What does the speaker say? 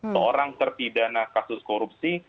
seorang terpidana kasus korupsi